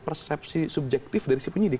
persepsi subjektif dari si penyidik